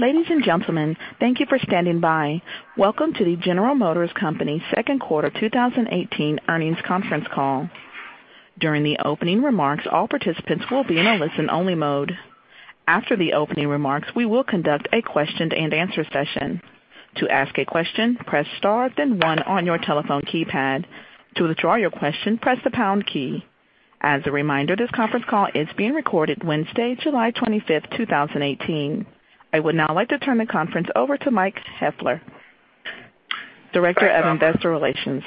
Ladies and gentlemen, thank you for standing by. Welcome to the General Motors Company second quarter 2018 earnings conference call. During the opening remarks, all participants will be in a listen-only mode. After the opening remarks, we will conduct a question-and-answer session. To ask a question, press star then one on your telephone keypad. To withdraw your question, press the pound key. As a reminder, this conference call is being recorded Wednesday, July 25, 2018. I would now like to turn the conference over to Michael Heifler, Director of Investor Relations.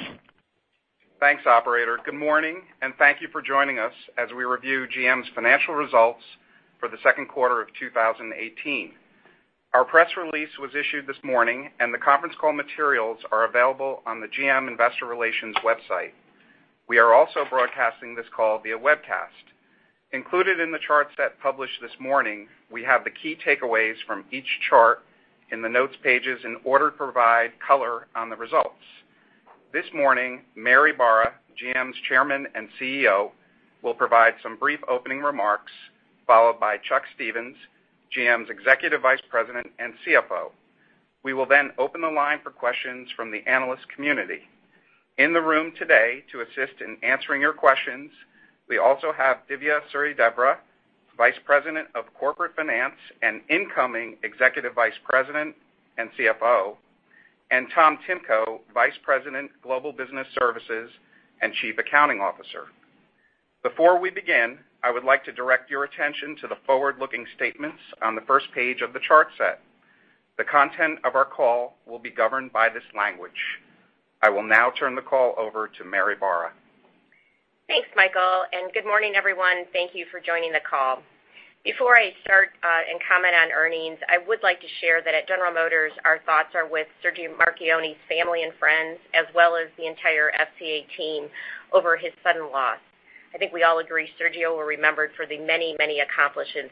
Thanks, operator. Good morning, thank you for joining us as we review GM's financial results for the second quarter of 2018. Our press release was issued this morning, the conference call materials are available on the GM investor relations website. We are also broadcasting this call via webcast. Included in the chart set published this morning, we have the key takeaways from each chart in the notes pages in order to provide color on the results. This morning, Mary Barra, GM's Chairman and CEO, will provide some brief opening remarks, followed by Chuck Stevens, GM's Executive Vice President and CFO. We will open the line for questions from the analyst community. In the room today to assist in answering your questions, we also have Dhivya Suryadevara, Vice President of Corporate Finance and incoming Executive Vice President and CFO, and Tom Timko, Vice President, Global Business Services and Chief Accounting Officer. Before we begin, I would like to direct your attention to the forward-looking statements on the first page of the chart set. The content of our call will be governed by this language. I will now turn the call over to Mary Barra. Thanks, Michael. Good morning, everyone. Thank you for joining the call. Before I start and comment on earnings, I would like to share that at General Motors, our thoughts are with Sergio Marchionne's family and friends, as well as the entire FCA team over his sudden loss. I think we all agree Sergio will be remembered for the many accomplishments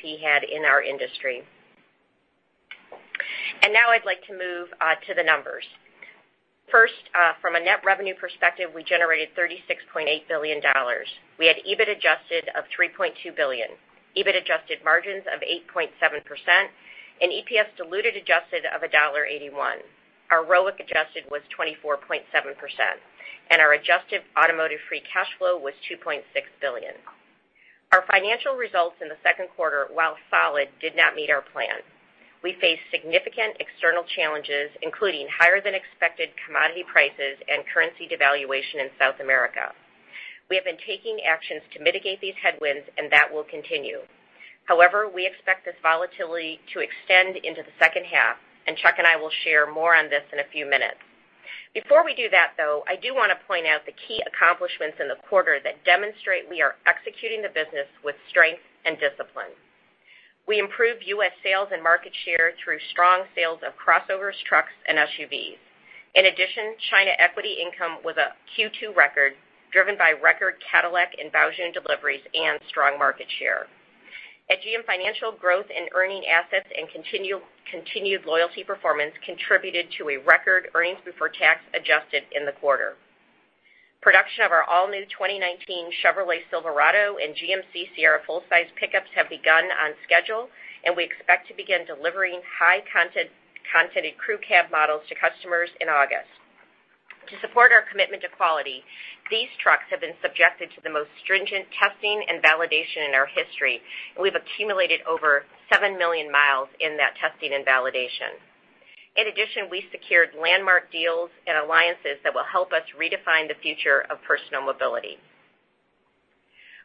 he had in our industry. Now I'd like to move to the numbers. First, from a net revenue perspective, we generated $36.8 billion. We had EBIT adjusted of $3.2 billion, EBIT adjusted margins of 8.7%, and EPS diluted adjusted of $1.81. Our ROIC adjusted was 24.7%, and our adjusted automotive free cash flow was $2.6 billion. Our financial results in the second quarter, while solid, did not meet our plan. We faced significant external challenges, including higher-than-expected commodity prices and currency devaluation in South America. We have been taking actions to mitigate these headwinds, and that will continue. However, we expect this volatility to extend into the second half, and Chuck and I will share more on this in a few minutes. Before we do that, though, I do want to point out the key accomplishments in the quarter that demonstrate we are executing the business with strength and discipline. We improved U.S. sales and market share through strong sales of crossovers, trucks, and SUVs. In addition, China equity income was a Q2 record, driven by record Cadillac and Baojun deliveries and strong market share. At GM Financial, growth in earning assets and continued loyalty performance contributed to a record earnings before tax adjusted in the quarter. Production of our all-new 2019 Chevrolet Silverado and GMC Sierra full-size pickups have begun on schedule, and we expect to begin delivering high-content crew cab models to customers in August. To support our commitment to quality, these trucks have been subjected to the most stringent testing and validation in our history, and we've accumulated over 7 million miles in that testing and validation. In addition, we secured landmark deals and alliances that will help us redefine the future of personal mobility.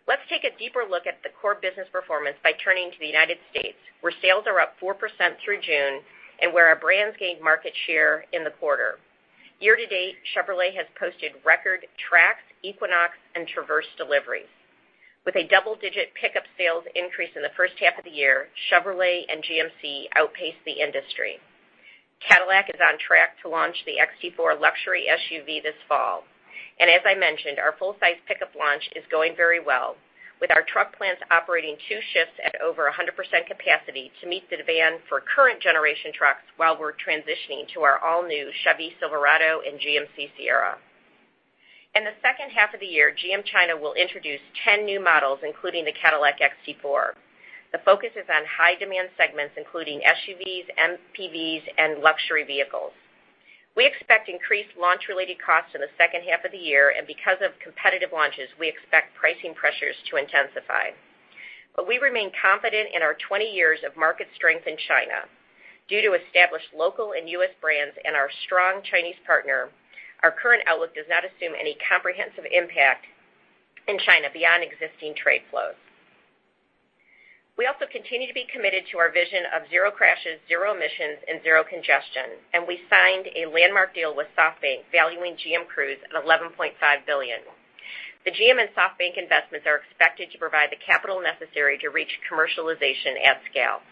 Let's take a deeper look at the core business performance by turning to the U.S., where sales are up 4% through June and where our brands gained market share in the quarter. Year-to-date, Chevrolet has posted record Trax, Equinox, and Traverse deliveries. With a double-digit pickup sales increase in the first half of the year, Chevrolet and GMC outpaced the industry. Cadillac is on track to launch the XT4 luxury SUV this fall. As I mentioned, our full-size pickup launch is going very well, with our truck plants operating two shifts at over 100% capacity to meet the demand for current generation trucks while we're transitioning to our all-new Chevy Silverado and GMC Sierra. In the second half of the year, GM China will introduce 10 new models, including the Cadillac XT4. The focus is on high-demand segments, including SUVs, MPVs, and luxury vehicles. We expect increased launch-related costs in the second half of the year, and because of competitive launches, we expect pricing pressures to intensify. We remain confident in our 20 years of market strength in China. Due to established local and U.S. brands and our strong Chinese partner, our current outlook does not assume any comprehensive impact in China beyond existing trade flows. We also continue to be committed to our vision of zero crashes, zero emissions, and zero congestion, and we signed a landmark deal with SoftBank valuing GM Cruise at $11.5 billion. The GM and SoftBank investments are expected to provide the capital necessary to reach commercialization at scale.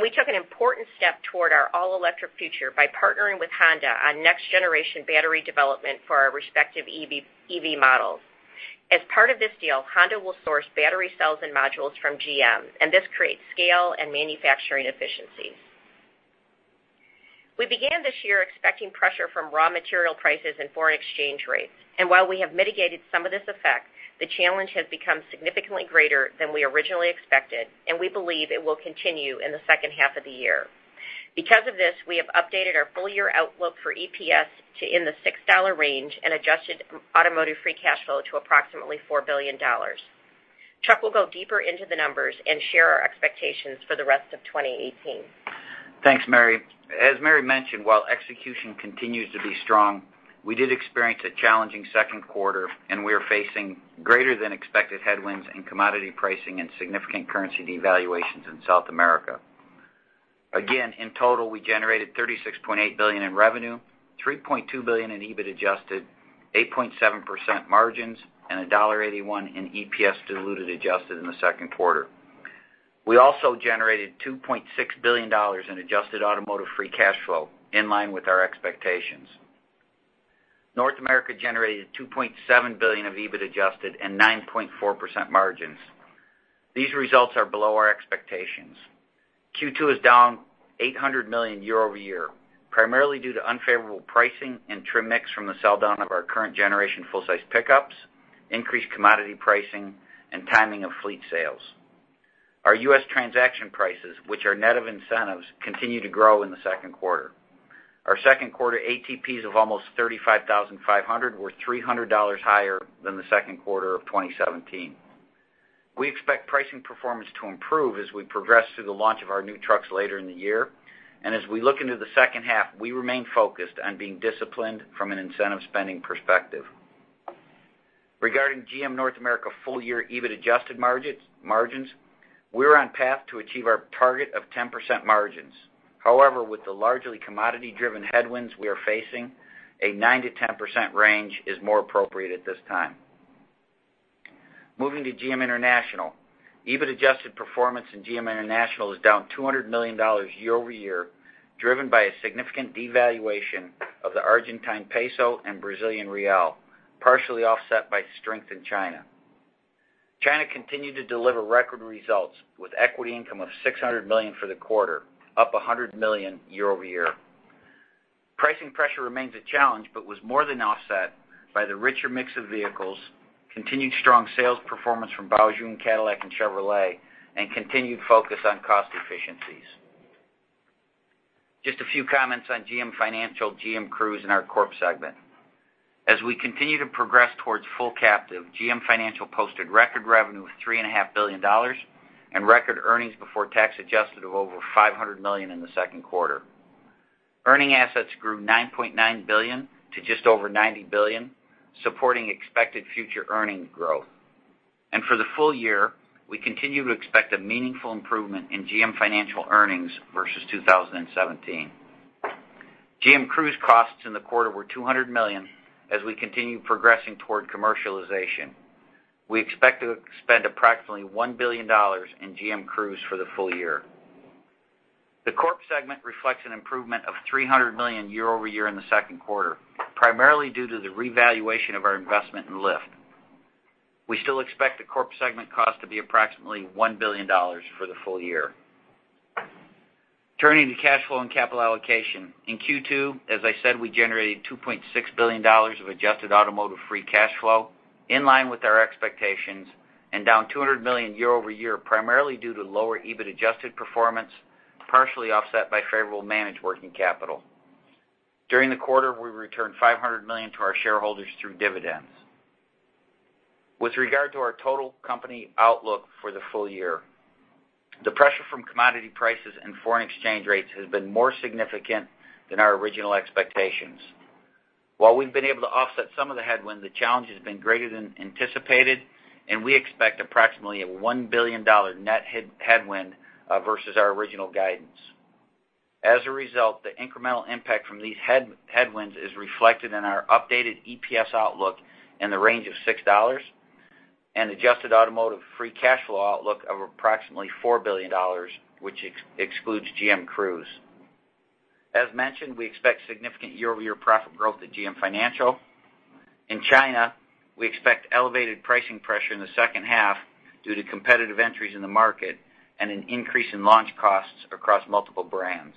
We took an important step toward our all-electric future by partnering with Honda on next-generation battery development for our respective EV models. As part of this deal, Honda will source battery cells and modules from GM, and this creates scale and manufacturing efficiency. We began this year expecting pressure from raw material prices and foreign exchange rates. While we have mitigated some of this effect, the challenge has become significantly greater than we originally expected, and we believe it will continue in the second half of the year. Because of this, we have updated our full-year outlook for EPS to in the $6 range and adjusted automotive free cash flow to approximately $4 billion. Chuck will go deeper into the numbers and share our expectations for the rest of 2018. Thanks, Mary. As Mary mentioned, while execution continues to be strong, we did experience a challenging second quarter, and we are facing greater than expected headwinds in commodity pricing and significant currency devaluations in South America. In total, we generated $36.8 billion in revenue, $3.2 billion in EBIT adjusted, 8.7% margins, and $1.81 in EPS diluted adjusted in the second quarter. We also generated $2.6 billion in adjusted automotive free cash flow, in line with our expectations. North America generated $2.7 billion of EBIT adjusted and 9.4% margins. These results are below our expectations. Q2 is down $800 million year-over-year, primarily due to unfavorable pricing and trim mix from the sell-down of our current generation full-size pickups, increased commodity pricing, and timing of fleet sales. Our U.S. transaction prices, which are net of incentives, continue to grow in the second quarter. Our second quarter ATPs of almost $35,500 were $300 higher than the second quarter of 2017. We expect pricing performance to improve as we progress through the launch of our new trucks later in the year. As we look into the second half, we remain focused on being disciplined from an incentive spending perspective. Regarding GM North America full-year EBIT adjusted margins, we're on path to achieve our target of 10% margins. However, with the largely commodity-driven headwinds we are facing, a 9%-10% range is more appropriate at this time. Moving to GM International. EBIT adjusted performance in GM International is down $200 million year-over-year, driven by a significant devaluation of the Argentine peso and Brazilian real, partially offset by strength in China. China continued to deliver record results with equity income of $600 million for the quarter, up $100 million year-over-year. Pricing pressure remains a challenge, but was more than offset by the richer mix of vehicles, continued strong sales performance from Baojun, Cadillac, and Chevrolet, and continued focus on cost efficiencies. Just a few comments on GM Financial, GM Cruise, and our Corp segment. As we continue to progress towards full captive, GM Financial posted record revenue of $3.5 billion and record earnings before tax adjusted of over $500 million in the second quarter. Earning assets grew $9.9 billion to just over $90 billion, supporting expected future earnings growth. For the full year, we continue to expect a meaningful improvement in GM Financial earnings versus 2017. GM Cruise costs in the quarter were $200 million as we continue progressing toward commercialization. We expect to spend approximately $1 billion in GM Cruise for the full year. The Corp segment reflects an improvement of $300 million year-over-year in the second quarter, primarily due to the revaluation of our investment in Lyft. We still expect the Corp segment cost to be approximately $1 billion for the full year. Turning to cash flow and capital allocation. In Q2, as I said, we generated $2.6 billion of adjusted automotive free cash flow, in line with our expectations, and down $200 million year-over-year, primarily due to lower EBIT-adjusted performance, partially offset by favorable managed working capital. During the quarter, we returned $500 million to our shareholders through dividends. With regard to our total company outlook for the full year, the pressure from commodity prices and foreign exchange rates has been more significant than our original expectations. While we've been able to offset some of the headwinds, the challenge has been greater than anticipated, and we expect approximately a $1 billion net headwind versus our original guidance. As a result, the incremental impact from these headwinds is reflected in our updated EPS outlook in the range of $6 and adjusted automotive free cash flow outlook of approximately $4 billion, which excludes GM Cruise. As mentioned, we expect significant year-over-year profit growth at GM Financial. In China, we expect elevated pricing pressure in the second half due to competitive entries in the market and an increase in launch costs across multiple brands.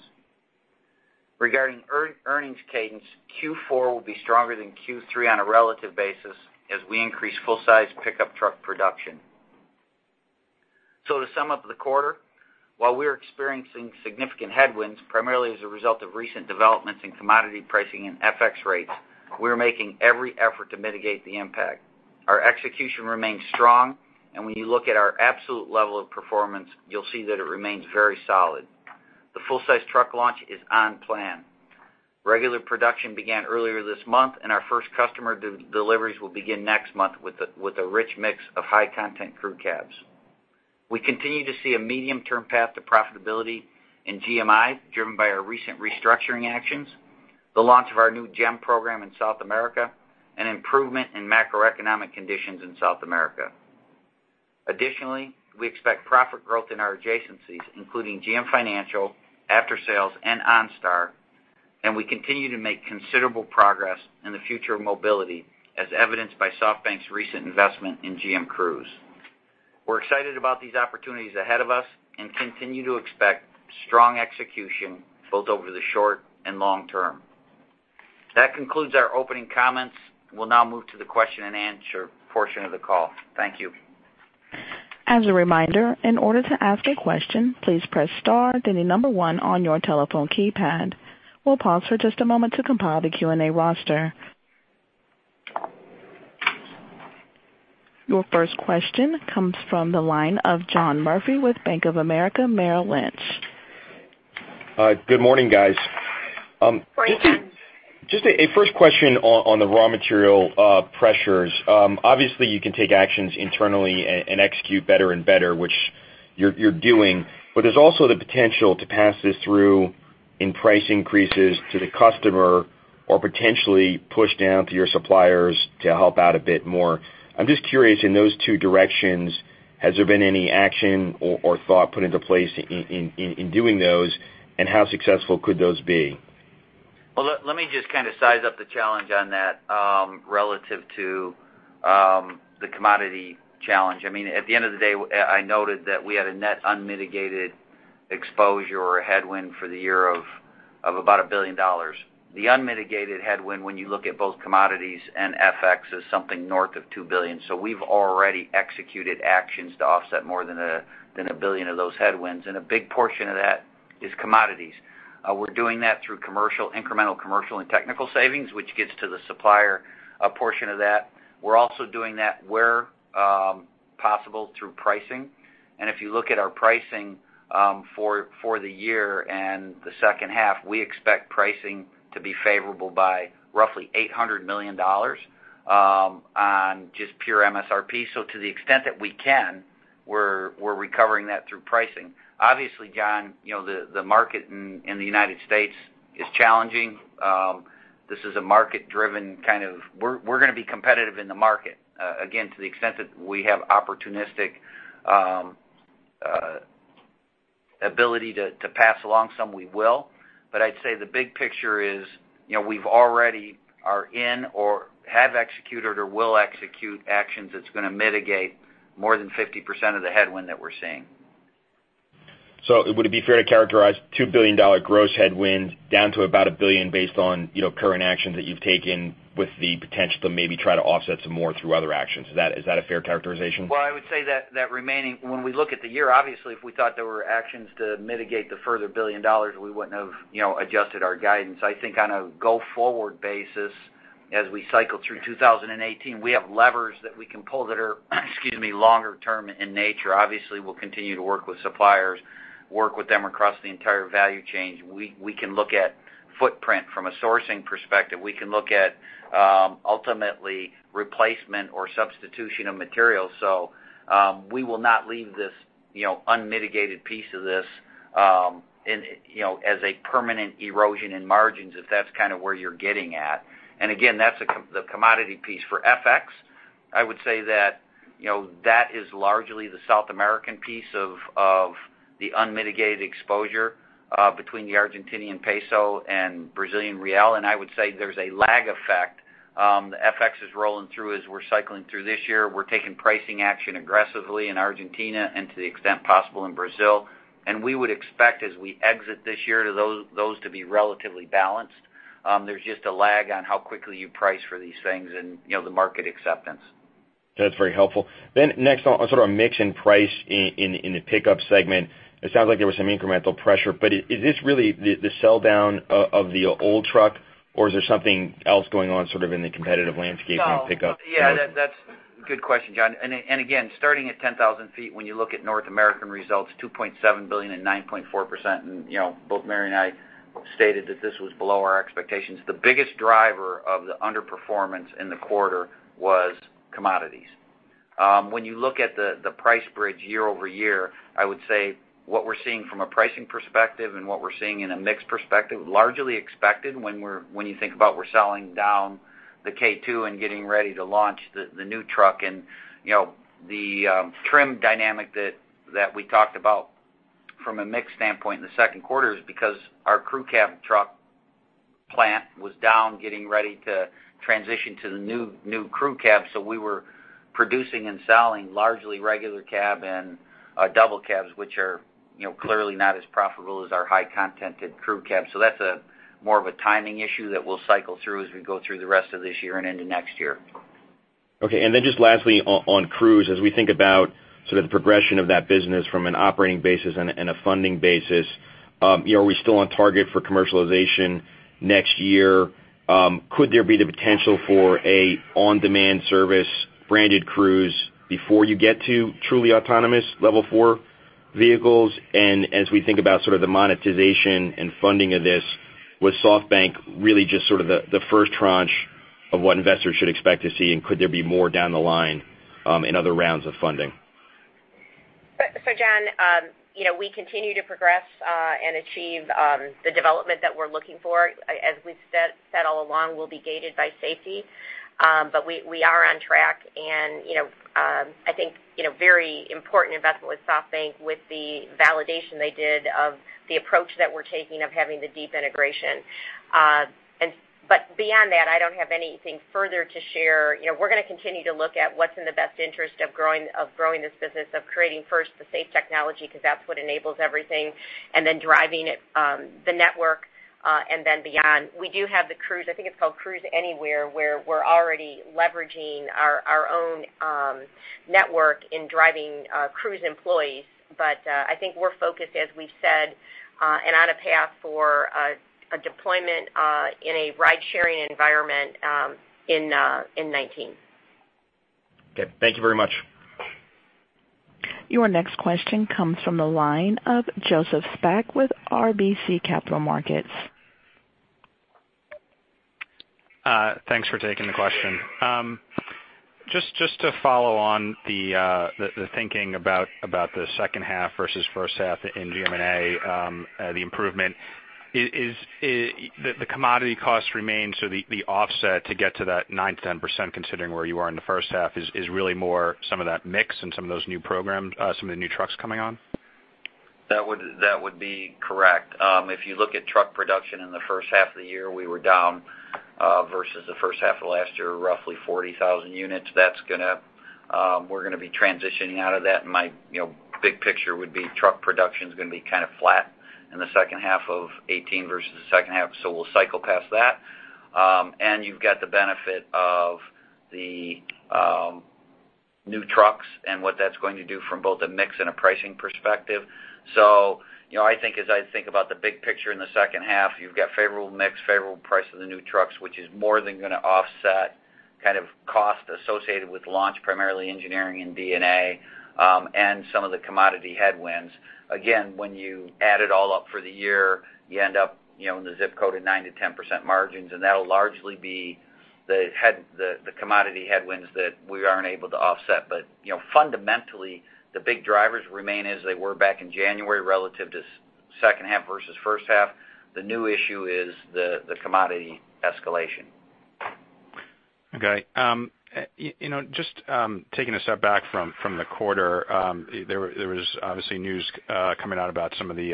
Regarding earnings cadence, Q4 will be stronger than Q3 on a relative basis as we increase full-size pickup truck production. To sum up the quarter, while we are experiencing significant headwinds, primarily as a result of recent developments in commodity pricing and FX rates, we are making every effort to mitigate the impact. Our execution remains strong, and when you look at our absolute level of performance, you'll see that it remains very solid. The full-size truck launch is on plan. Regular production began earlier this month, and our first customer deliveries will begin next month with a rich mix of high-content crew cabs. We continue to see a medium-term path to profitability in GMI, driven by our recent restructuring actions, the launch of our new GEM program in South America, and improvement in macroeconomic conditions in South America. Additionally, we expect profit growth in our adjacencies, including GM Financial, Aftersales, and OnStar, and we continue to make considerable progress in the future of mobility, as evidenced by SoftBank's recent investment in GM Cruise. We're excited about these opportunities ahead of us and continue to expect strong execution, both over the short and long term. That concludes our opening comments. We'll now move to the question and answer portion of the call. Thank you. As a reminder, in order to ask a question, please press star, then the number 1 on your telephone keypad. We'll pause for just a moment to compile the Q&A roster. Your first question comes from the line of John Murphy with Bank of America Merrill Lynch. Hi. Good morning, guys. Morning. Just a first question on the raw material pressures. Obviously, you can take actions internally and execute better and better, which you're doing, but there's also the potential to pass this through in price increases to the customer or potentially push down to your suppliers to help out a bit more. I'm just curious, in those two directions, has there been any action or thought put into place in doing those? How successful could those be? Well, let me just size up the challenge on that relative to the commodity challenge. At the end of the day, I noted that we had a net unmitigated exposure or a headwind for the year of about $1 billion. The unmitigated headwind, when you look at both commodities and FX, is something north of $2 billion. We've already executed actions to offset more than $1 billion of those headwinds, and a big portion of that is commodities. We're doing that through incremental commercial and technical savings, which gets to the supplier portion of that. We're also doing that where possible through pricing. If you look at our pricing for the year and the second half, we expect pricing to be favorable by roughly $800 million on just pure MSRP. To the extent that we can, we're recovering that through pricing. Obviously, John, the market in the U.S. is challenging. This is a market-driven. We're going to be competitive in the market. Again, to the extent that we have opportunistic ability to pass along some, we will. I'd say the big picture is we've already are in or have executed or will execute actions that's going to mitigate more than 50% of the headwind that we're seeing. Would it be fair to characterize $2 billion gross headwinds down to about $1 billion based on current actions that you've taken with the potential to maybe try to offset some more through other actions? Is that a fair characterization? Well, I would say that when we look at the year, obviously, if we thought there were actions to mitigate the further $1 billion, we wouldn't have adjusted our guidance. I think on a go-forward basis, as we cycle through 2018, we have levers that we can pull that are, excuse me, longer term in nature. Obviously, we'll continue to work with suppliers, work with them across the entire value chain. We can look at footprint from a sourcing perspective. We can look at ultimately replacement or substitution of materials. We will not leave this unmitigated piece of this as a permanent erosion in margins, if that's where you're getting at. Again, that's the commodity piece. For FX, I would say that is largely the South American piece of the unmitigated exposure between the Argentine peso and Brazilian real. I would say there's a lag effect. The FX is rolling through as we're cycling through this year. We're taking pricing action aggressively in Argentina and to the extent possible in Brazil. We would expect as we exit this year, those to be relatively balanced. There's just a lag on how quickly you price for these things and the market acceptance. That's very helpful. Next on sort of mix and price in the pickup segment, it sounds like there was some incremental pressure, but is this really the sell-down of the old truck? Or is there something else going on sort of in the competitive landscape in pickup? Yeah, that's a good question, John. Again, starting at 10,000 feet, when you look at North American results, $2.7 billion and 9.4%, both Mary and I stated that this was below our expectations. The biggest driver of the underperformance in the quarter was commodities. When you look at the price bridge year-over-year, I would say what we're seeing from a pricing perspective and what we're seeing in a mix perspective, largely expected when you think about we're selling down the K2 and getting ready to launch the new truck. The trim dynamic that we talked about from a mix standpoint in the second quarter is because our crew cab truck plant was down getting ready to transition to the new crew cab. We were producing and selling largely regular cab and double cabs, which are clearly not as profitable as our high-contented crew cab. That's more of a timing issue that we'll cycle through as we go through the rest of this year and into next year. Okay, just lastly on Cruise, as we think about sort of the progression of that business from an operating basis and a funding basis, are we still on target for commercialization next year? Could there be the potential for an on-demand service branded Cruise before you get to truly autonomous level 4 vehicles? As we think about sort of the monetization and funding of this, was SoftBank really just sort of the first tranche of what investors should expect to see, and could there be more down the line in other rounds of funding? John, we continue to progress and achieve the development that we're looking for. As we've said all along, we'll be gated by safety. We are on track, and I think very important investment with SoftBank with the validation they did of the approach that we're taking of having the deep integration. Beyond that, I don't have anything further to share. We're going to continue to look at what's in the best interest of growing this business, of creating first the safe technology, because that's what enables everything, and then driving the network, and then beyond. We do have the Cruise, I think it's called Cruise Anywhere, where we're already leveraging our own network in driving Cruise employees. I think we're focused, as we've said, and on a path for a deployment in a ride-sharing environment in 2019. Okay. Thank you very much. Your next question comes from the line of Joseph Spak with RBC Capital Markets. Thanks for taking the question. Just to follow on the thinking about the second half versus first half in GMNA, the improvement. The commodity costs remain, the offset to get to that 9%-10%, considering where you are in the first half, is really more some of that mix and some of the new trucks coming on? That would be correct. If you look at truck production in the first half of the year, we were down versus the first half of last year, roughly 40,000 units. We're going to be transitioning out of that. My big picture would be truck production's going to be kind of flat in the second half of 2018 versus the second half, we'll cycle past that. You've got the benefit of the new trucks and what that's going to do from both a mix and a pricing perspective. I think as I think about the big picture in the second half, you've got favorable mix, favorable price of the new trucks, which is more than going to offset cost associated with launch, primarily engineering and D&A, and some of the commodity headwinds. Again, when you add it all up for the year, you end up in the ZIP Code of 9% to 10% margins, and that'll largely be the commodity headwinds that we aren't able to offset. Fundamentally, the big drivers remain as they were back in January relative to second half versus first half. The new issue is the commodity escalation. Okay. Just taking a step back from the quarter, there was obviously news coming out about some of the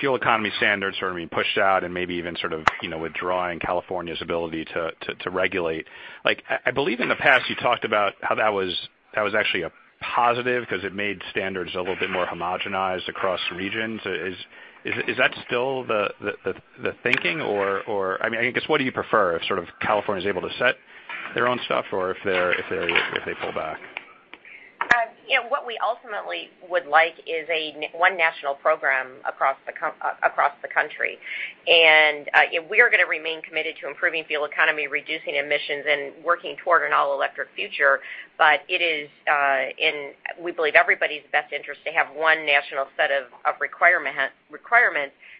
fuel economy standards being pushed out and maybe even withdrawing California's ability to regulate. I believe in the past, you talked about how that was actually a positive because it made standards a little bit more homogenized across regions. Is that still the thinking? I guess, what do you prefer, if California is able to set their own stuff, or if they pull back? What we ultimately would like is one national program across the country. We are going to remain committed to improving fuel economy, reducing emissions, and working toward an all-electric future. It is in, we believe, everybody's best interest to have one national set of requirements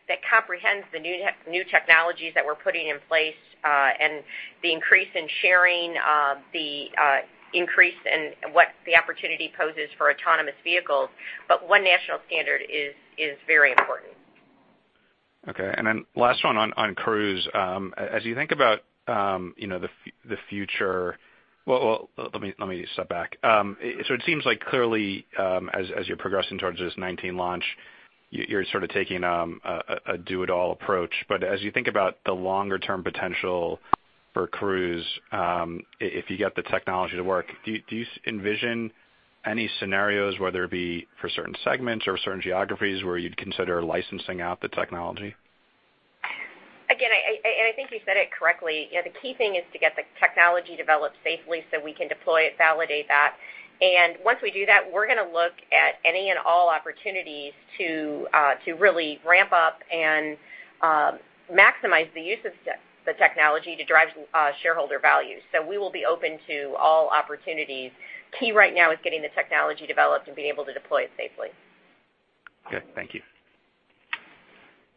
that comprehends the new technologies that we're putting in place, and the increase in sharing, the increase in what the opportunity poses for autonomous vehicles. One national standard is very important. Okay. Last one on Cruise. As you think about the future. Well, let me step back. It seems like clearly, as you're progressing towards this 2019 launch, you're taking a do-it-all approach. As you think about the longer-term potential for Cruise, if you get the technology to work, do you envision any scenarios, whether it be for certain segments or certain geographies where you'd consider licensing out the technology? Again, I think you said it correctly. The key thing is to get the technology developed safely so we can deploy it, validate that. Once we do that, we're going to look at any and all opportunities to really ramp up and maximize the use of the technology to drive shareholder value. We will be open to all opportunities. Key right now is getting the technology developed and being able to deploy it safely. Good. Thank you.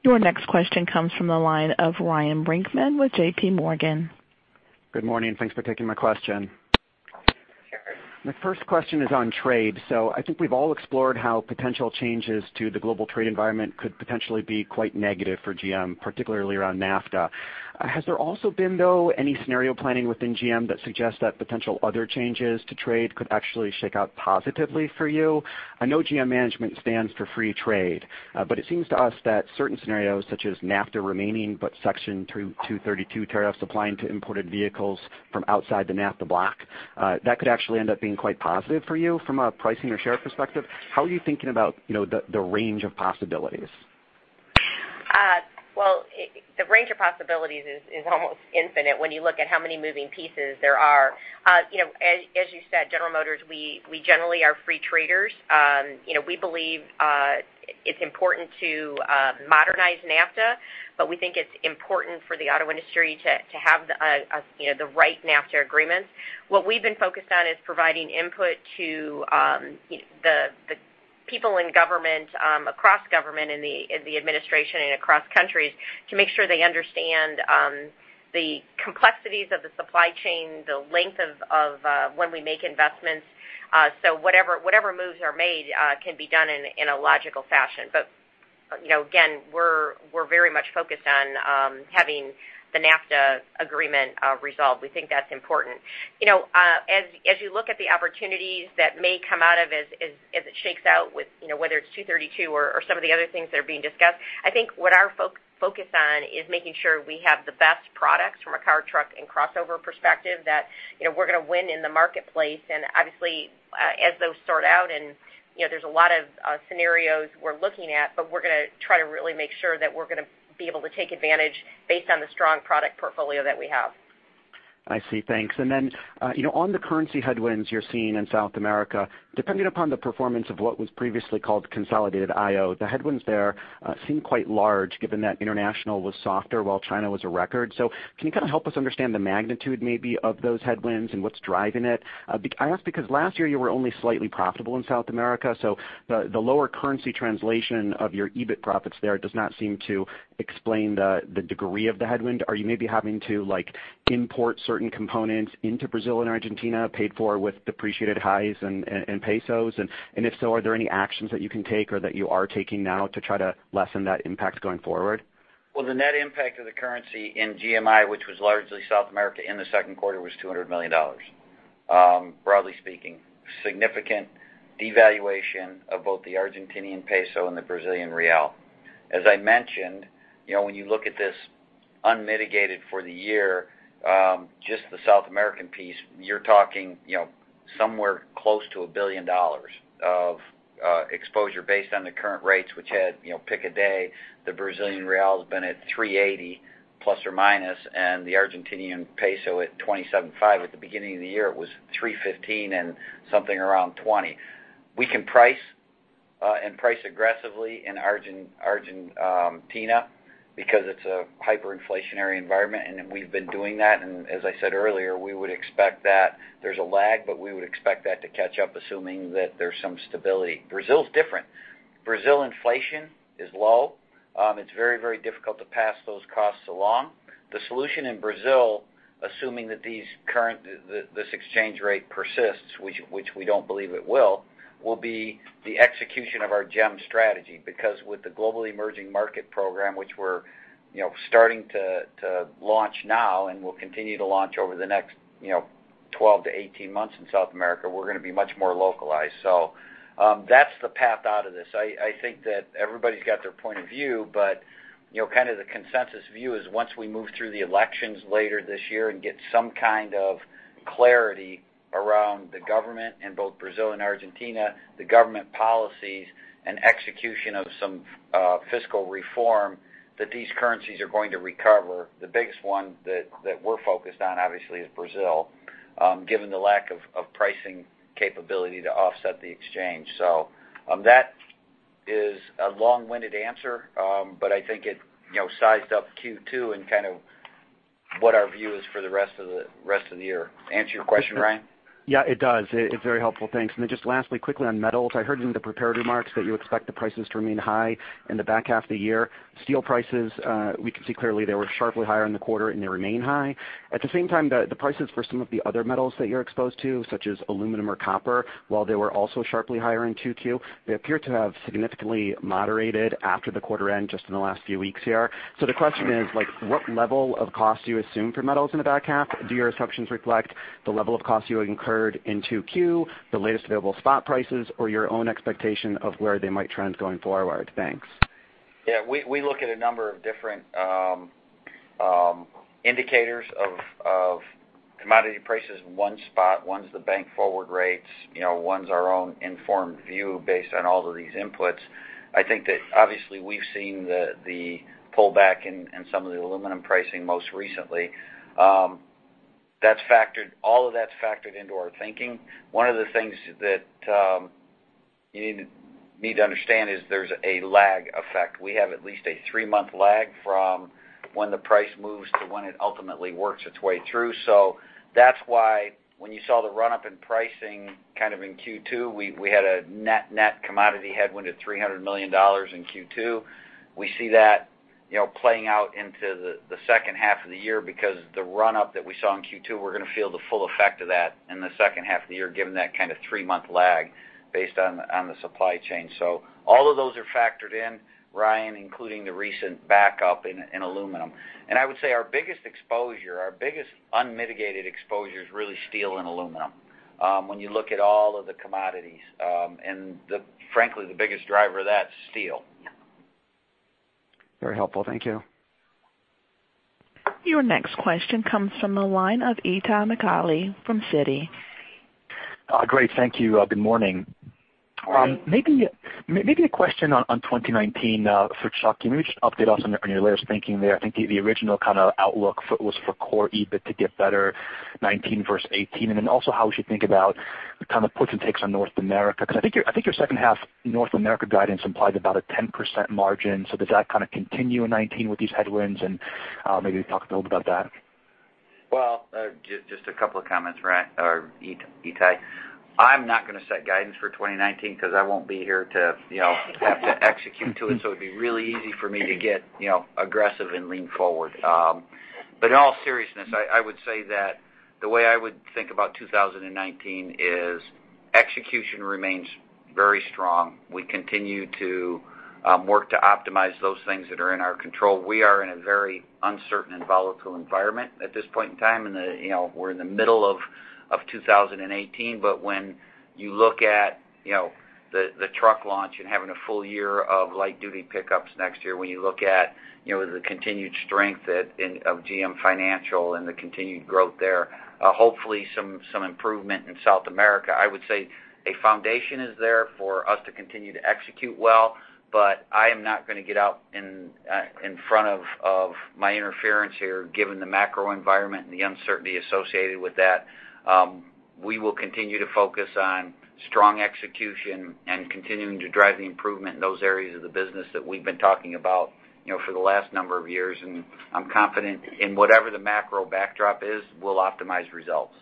Your next question comes from the line of Ryan Brinkman with J.P. Morgan. Good morning. Thanks for taking my question. My first question is on trade. I think we've all explored how potential changes to the global trade environment could potentially be quite negative for GM, particularly around NAFTA. Has there also been, though, any scenario planning within GM that suggests that potential other changes to trade could actually shake out positively for you? I know GM management stands for free trade, it seems to us that certain scenarios, such as NAFTA remaining, Section 232 tariffs applying to imported vehicles from outside the NAFTA block, that could actually end up being quite positive for you from a pricing or share perspective. How are you thinking about the range of possibilities? The range of possibilities is almost infinite when you look at how many moving pieces there are. As you said, General Motors, we generally are free traders. We believe it's important to modernize NAFTA, we think it's important for the auto industry to have the right NAFTA agreements. What we've been focused on is providing input to the people in government, across government, in the administration, and across countries to make sure they understand the complexities of the supply chain, the length of when we make investments. Whatever moves are made can be done in a logical fashion. Again, we're very much focused on having the NAFTA agreement resolved. We think that's important. As you look at the opportunities that may come out of as it shakes out with whether it's 232 or some of the other things that are being discussed, I think what our focus on is making sure we have the best products from a car, truck, and crossover perspective that we're going to win in the marketplace. Obviously, as those sort out and there's a lot of scenarios we're looking at, we're going to try to really make sure that we're going to be able to take advantage based on the strong product portfolio that we have. I see. Thanks. On the currency headwinds you're seeing in South America, depending upon the performance of what was previously called Consolidated IO, the headwinds there seem quite large given that international was softer while China was a record. Can you kind of help us understand the magnitude maybe of those headwinds and what's driving it? I ask because last year you were only slightly profitable in South America, the lower currency translation of your EBIT profits there does not seem to explain the degree of the headwind. Are you maybe having to import certain components into Brazil and Argentina paid for with depreciated reais and pesos? If so, are there any actions that you can take or that you are taking now to try to lessen that impact going forward? The net impact of the currency in GMI, which was largely South America in the second quarter, was $200 million. Broadly speaking, significant devaluation of both the Argentine peso and the Brazilian real. As I mentioned, when you look at this unmitigated for the year, just the South American piece, you are talking somewhere close to $1 billion of exposure based on the current rates, which had, pick a day, the Brazilian real has been at 380 ±, and the Argentine peso at 27.5. At the beginning of the year, it was 315 and something around 20. We can price and price aggressively in Argentina because it is a hyperinflationary environment, and we have been doing that. As I said earlier, there is a lag, but we would expect that to catch up, assuming that there is some stability. Brazil is different. Brazil inflation is low. It is very difficult to pass those costs along. The solution in Brazil, assuming that this exchange rate persists, which we do not believe it will be the execution of our GEM strategy. Because with the Global Emerging Markets program, which we are starting to launch now and will continue to launch over the next 12-18 months in South America, we are going to be much more localized. That is the path out of this. I think that everybody has got their point of view, but kind of the consensus view is once we move through the elections later this year and get some kind of clarity around the government in both Brazil and Argentina, the government policies and execution of some fiscal reform that these currencies are going to recover. The biggest one that we are focused on, obviously, is Brazil, given the lack of pricing capability to offset the exchange. That is a long-winded answer, but I think it sized up Q2 and kind of what our view is for the rest of the year. Answer your question, Ryan? Yeah, it does. It is very helpful. Thanks. Then just lastly, quickly on metals. I heard in the prepared remarks that you expect the prices to remain high in the back half of the year. Steel prices we can see clearly they were sharply higher in the quarter and they remain high. At the same time, the prices for some of the other metals that you are exposed to, such as aluminum or copper, while they were also sharply higher in 2Q, they appear to have significantly moderated after the quarter end just in the last few weeks here. The question is, what level of cost do you assume for metals in the back half? Do your assumptions reflect the level of cost you incurred in 2Q, the latest available spot prices, or your own expectation of where they might trend going forward? Thanks. Yeah, we look at a number of different indicators of commodity prices in one spot. One's the bank forward rates, one's our own informed view based on all of these inputs. I think that obviously we've seen the pullback in some of the aluminum pricing most recently. All of that's factored into our thinking. One of the things that you need to understand is there's a lag effect. We have at least a three-month lag from when the price moves to when it ultimately works its way through. That's why when you saw the run-up in pricing kind of in Q2, we had a net commodity headwind of $300 million in Q2. We see that playing out into the second half of the year because the run-up that we saw in Q2, we're going to feel the full effect of that in the second half of the year, given that kind of three-month lag based on the supply chain. All of those are factored in, Ryan, including the recent backup in aluminum. I would say our biggest exposure, our biggest unmitigated exposure is really steel and aluminum when you look at all of the commodities. Frankly, the biggest driver of that is steel. Very helpful. Thank you. Your next question comes from the line of Itay Michaeli from Citi. Great. Thank you. Good morning. Morning. Maybe a question on 2019 for Chuck. Can you just update us on your latest thinking there? I think the original kind of outlook was for core EBIT to get better 2019 versus 2018. Also, how we should think about the kind of puts and takes on North America. I think your second half North America guidance implies about a 10% margin. Does that kind of continue in 2019 with these headwinds? Maybe talk a little bit about that. Well, just a couple of comments, Itay. I'm not going to set guidance for 2019 because I won't be here to have to execute to it, so it'd be really easy for me to get aggressive and lean forward. In all seriousness, I would say that the way I would think about 2019 is Execution remains very strong. We continue to work to optimize those things that are in our control. We are in a very uncertain and volatile environment at this point in time. We're in the middle of 2018. When you look at the truck launch and having a full year of light duty pickups next year, when you look at the continued strength of GM Financial and the continued growth there, hopefully some improvement in South America, I would say a foundation is there for us to continue to execute well. I am not going to get out in front of my interference here, given the macro environment and the uncertainty associated with that. We will continue to focus on strong execution and continuing to drive the improvement in those areas of the business that we've been talking about for the last number of years. I'm confident in whatever the macro backdrop is, we'll optimize results.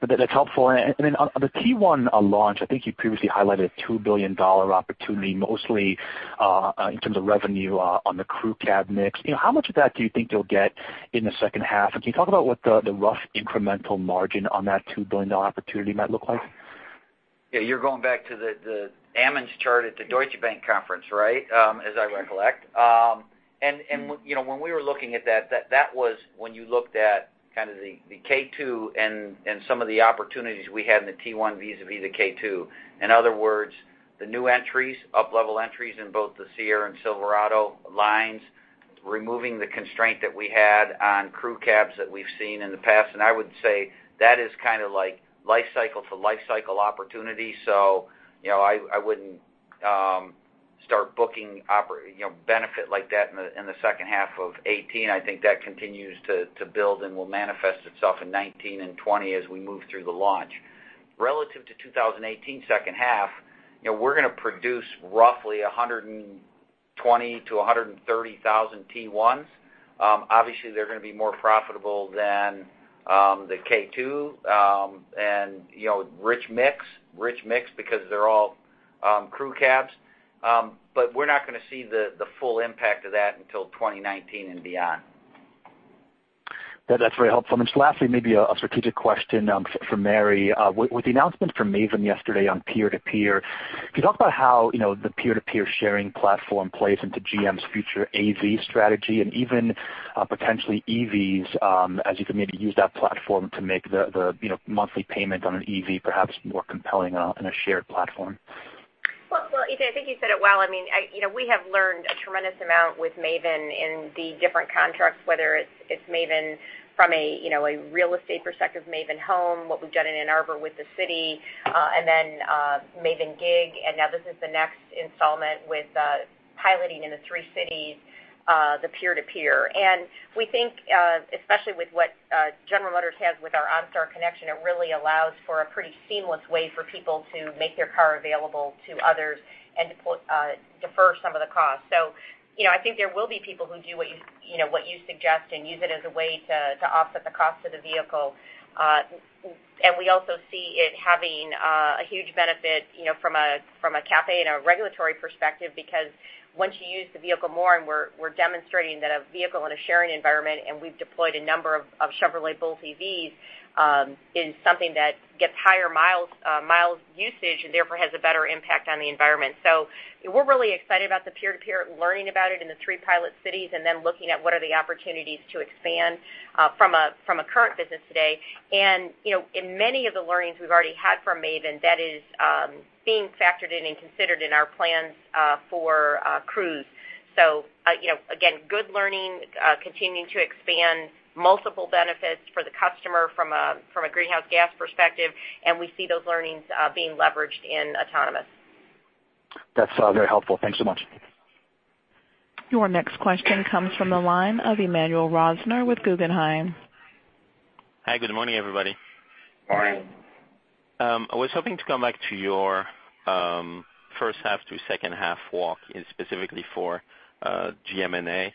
That's helpful. Then on the T1 launch, I think you previously highlighted a $2 billion opportunity, mostly in terms of revenue on the crew cab mix. How much of that do you think you'll get in the second half? Can you talk about what the rough incremental margin on that $2 billion opportunity might look like? You're going back to the Ammann chart at the Deutsche Bank conference, right? As I recollect. When we were looking at that was when you looked at kind of the K2 and some of the opportunities we had in the T1 vis-a-vis the K2. In other words, the new entries, up-level entries in both the Sierra and Silverado lines, removing the constraint that we had on crew cabs that we've seen in the past. I would say that is kind of like life cycle to life cycle opportunity. I wouldn't start booking benefit like that in the second half of 2018. I think that continues to build and will manifest itself in 2019 and 2020 as we move through the launch. Relative to 2018 second half, we're going to produce roughly 120,000 to 130,000 T1s. Obviously, they're going to be more profitable than the K2. Rich mix because they're all crew cabs. We're not going to see the full impact of that until 2019 and beyond. That's very helpful. Just lastly, maybe a strategic question for Mary. With the announcement from Maven yesterday on peer-to-peer, can you talk about how the peer-to-peer sharing platform plays into GM's future AV strategy and even potentially EVs as you can maybe use that platform to make the monthly payment on an EV perhaps more compelling on a shared platform? Well, Itay, I think you said it well. We have learned a tremendous amount with Maven in the different contracts, whether it's Maven from a real estate perspective, Maven Home, what we've done in Ann Arbor with the city, then Maven Gig. Now this is the next installment with piloting in the three cities, the peer-to-peer. We think, especially with what General Motors has with our OnStar connection, it really allows for a pretty seamless way for people to make their car available to others and to defer some of the costs. I think there will be people who do what you suggest and use it as a way to offset the cost of the vehicle. We also see it having a huge benefit from a CAFE and a regulatory perspective, because once you use the vehicle more, and we're demonstrating that a vehicle in a sharing environment, and we've deployed a number of Chevrolet Bolt EVs, is something that gets higher miles usage and therefore has a better impact on the environment. We're really excited about the peer-to-peer, learning about it in the three pilot cities, then looking at what are the opportunities to expand from a current business today. In many of the learnings we've already had from Maven, that is being factored in and considered in our plans for Cruise. Again, good learning, continuing to expand multiple benefits for the customer from a greenhouse gas perspective, and we see those learnings being leveraged in autonomous. That's very helpful. Thanks so much. Your next question comes from the line of Emmanuel Rosner with Guggenheim. Hi, good morning, everybody. Morning. I was hoping to come back to your first half to second half walk, specifically for GM&A.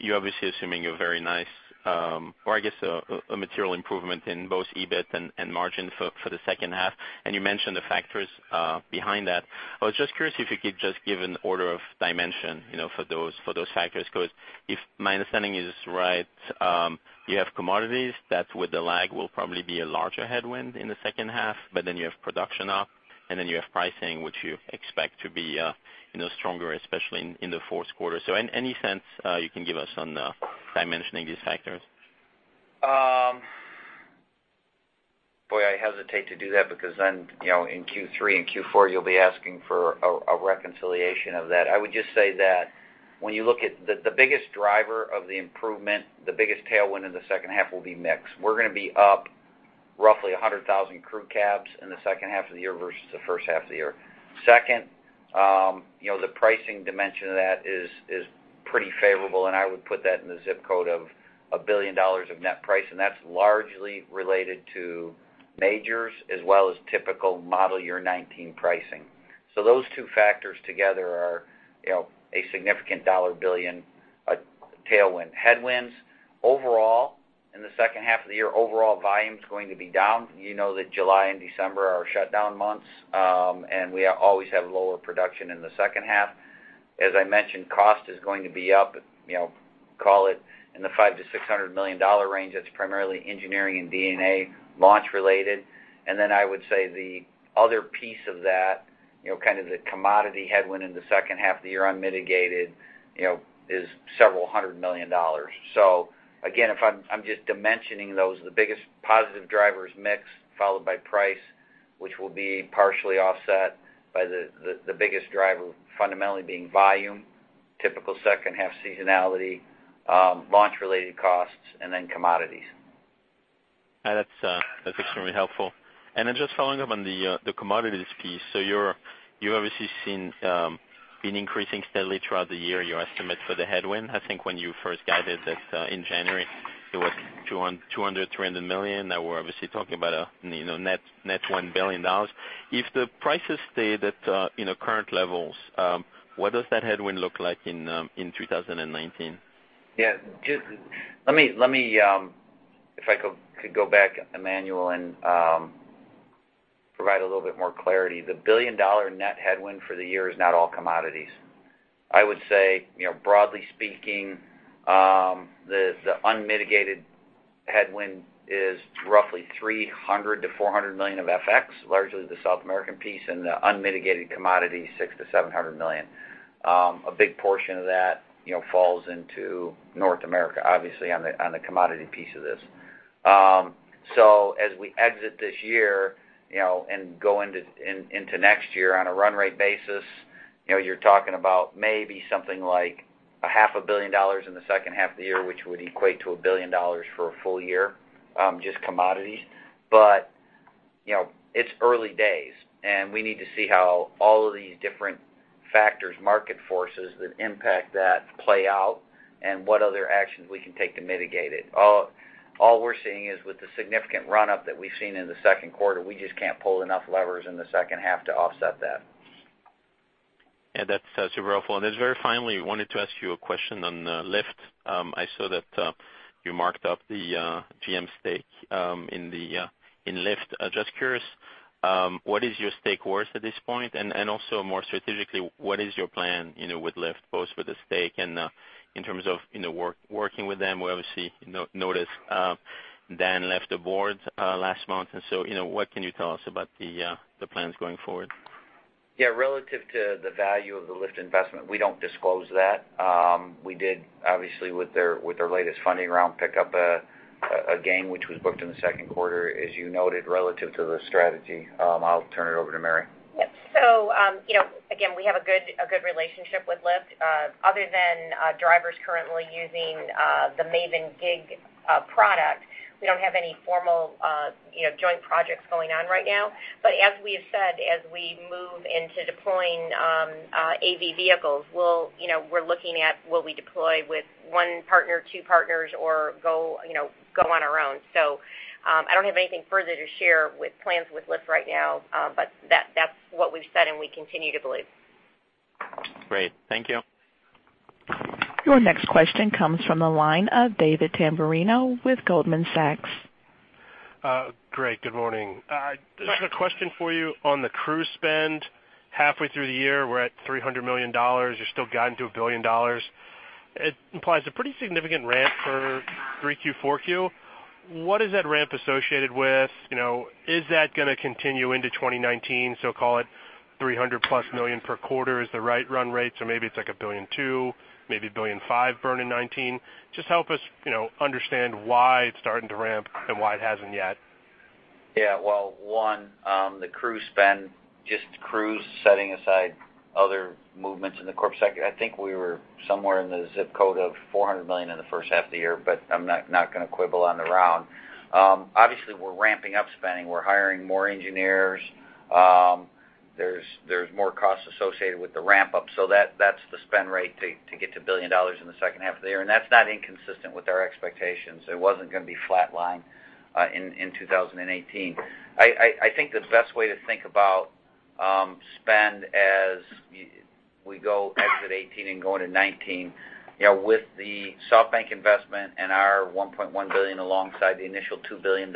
You're obviously assuming a very nice or I guess a material improvement in both EBIT and margin for the second half. You mentioned the factors behind that. I was just curious if you could just give an order of dimension for those factors, because if my understanding is right, you have commodities, that with the lag will probably be a larger headwind in the second half. Then you have production up. Then you have pricing, which you expect to be stronger, especially in the fourth quarter. Any sense you can give us on dimensioning these factors? Boy, I hesitate to do that because in Q3 and Q4, you'll be asking for a reconciliation of that. I would just say that when you look at the biggest driver of the improvement, the biggest tailwind in the second half will be mix. We're going to be up roughly 100,000 crew cabs in the second half of the year versus the first half of the year. Second, the pricing dimension of that is pretty favorable, and I would put that in the ZIP code of $1 billion of net price, and that's largely related to majors as well as typical model year 19 pricing. Those two factors together are a significant $1 billion tailwind. Headwinds, overall, in the second half of the year, overall volume is going to be down. You know that July and December are shutdown months. We always have lower production in the second half. As I mentioned, cost is going to be up, call it in the $500 million-$600 million range. That's primarily engineering and D&A launch related. Then I would say the other piece of that, kind of the commodity headwind in the second half of the year unmitigated, is several hundred million dollars. Again, I'm just dimensioning those. The biggest positive driver is mix, followed by price, which will be partially offset by the biggest driver fundamentally being volume, typical second half seasonality, launch related costs. Then commodities. That's extremely helpful. Just following up on the commodities piece. You've obviously seen been increasing steadily throughout the year your estimate for the headwind. I think when you first guided that in January, it was $200 million-$300 million. Now we're obviously talking about net $1 billion. If the prices stay at current levels, what does that headwind look like in 2019? Yeah. If I could go back, Emmanuel, and provide a little bit more clarity. The billion-dollar net headwind for the year is not all commodities. I would say, broadly speaking, the unmitigated headwind is roughly $300 million-$400 million of FX, largely the South American piece, and the unmitigated commodity, $600 million-$700 million. A big portion of that falls into North America, obviously, on the commodity piece of this. As we exit this year, and go into next year on a run rate basis, you're talking about maybe something like a half a billion dollars in the second half of the year, which would equate to $1 billion for a full year, just commodities. It's early days, and we need to see how all of these different factors, market forces that impact that play out and what other actions we can take to mitigate it. All we're seeing is with the significant run-up that we've seen in the second quarter, we just can't pull enough levers in the second half to offset that. Yeah, that's super helpful. Just very finally, wanted to ask you a question on Lyft. I saw that you marked up the GM stake in Lyft. Just curious, what is your stake worth at this point? Also more strategically, what is your plan with Lyft, both with the stake and in terms of working with them? We obviously noticed Dan left the board last month, what can you tell us about the plans going forward? Yeah. Relative to the value of the Lyft investment, we don't disclose that. We did, obviously, with their latest funding round, pick up a gain, which was booked in the second quarter, as you noted, relative to the strategy. I'll turn it over to Mary. Yep. Again, we have a good relationship with Lyft. Other than drivers currently using the Maven Gig product, we don't have any formal joint projects going on right now. As we have said, as we move into deploying AV vehicles, we're looking at will we deploy with one partner, two partners, or go on our own. I don't have anything further to share with plans with Lyft right now. That's what we've said, and we continue to believe. Great. Thank you. Your next question comes from the line of David Tamberrino with Goldman Sachs. Great, good morning. Just a question for you on the Cruise spend. Halfway through the year, we're at $300 million. You're still guiding to $1 billion. It implies a pretty significant ramp for 3Q, 4Q. What is that ramp associated with? Is that going to continue into 2019, so call it $300 million-plus per quarter is the right run rate? Maybe it's like $1.2 billion, maybe $1.5 billion burn in 2019. Just help us understand why it's starting to ramp and why it hasn't yet. Yeah. Well, one, the Cruise spend, just Cruise setting aside other movements in the corporate sector, I think we were somewhere in the zip code of $400 million in the first half of the year, but I'm not going to quibble on the round. Obviously, we're ramping up spending. We're hiring more engineers. There's more costs associated with the ramp-up. That's the spend rate to get to $1 billion in the second half of the year, and that's not inconsistent with our expectations. It wasn't going to be flatlined in 2018. I think the best way to think about spend as we exit 2018 and go into 2019, with the SoftBank investment and our $1.1 billion alongside the initial $2 billion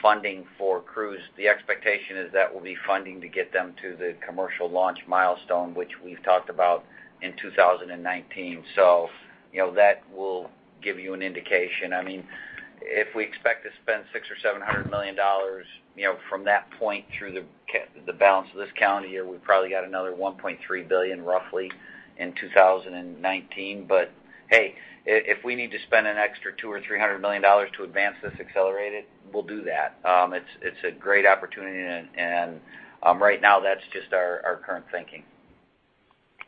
funding for Cruise, the expectation is that will be funding to get them to the commercial launch milestone, which we've talked about in 2019. That will give you an indication. If we expect to spend $600 or $700 million from that point through the balance of this calendar year, we've probably got another $1.3 billion roughly in 2019. Hey, if we need to spend an extra $200 or $300 million to advance this accelerated, we'll do that. It's a great opportunity, and right now, that's just our current thinking.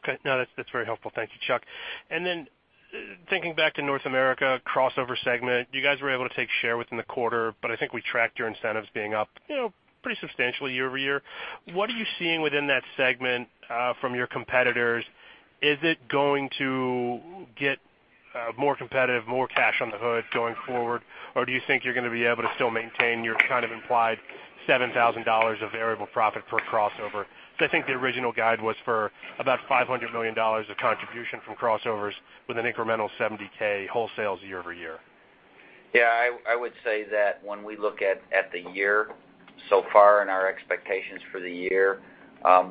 Okay. No, that's very helpful. Thank you, Chuck. Then thinking back to North America crossover segment, you guys were able to take share within the quarter, but I think we tracked your incentives being up pretty substantially year-over-year. What are you seeing within that segment from your competitors? Is it going to get more competitive, more cash on the hood going forward? Do you think you're going to be able to still maintain your kind of implied $7,000 of variable profit per crossover? Because I think the original guide was for about $500 million of contribution from crossovers with an incremental 70,000 wholesales year-over-year. Yeah, I would say that when we look at the year so far and our expectations for the year,